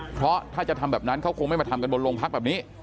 เพราะถ้าจะทำแบบนั้นเขาคงไม่มาทำกันบนโรงพักแบบนี้